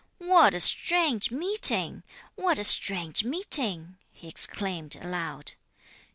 "What a strange meeting! What a strange meeting!" he exclaimed aloud.